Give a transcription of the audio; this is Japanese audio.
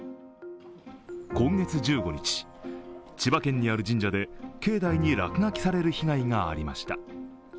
今月１５日、千葉県にある神社で境内に落書きされる被害がありました。